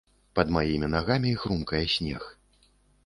Пад маімі нагамі хрумкае снег.